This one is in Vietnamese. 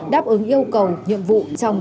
đáp ứng yêu cầu nhiệm vụ trong